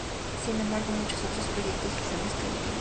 Sin embargo, muchos otros proyectos usan este último.